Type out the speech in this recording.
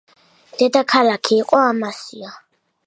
დედაქალაქი იყო ამასია.